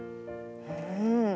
うん。